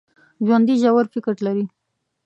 ژوندي ژور فکر لري